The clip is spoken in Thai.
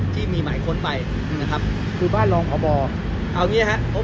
ที่มีหมายค้นคือบ้านหลองขอบอ